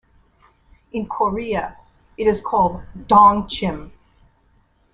In Korea, it is called ttongchim.